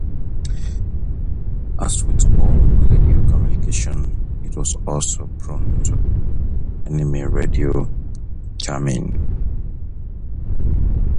As with all radio communications it was also prone to enemy radio jamming.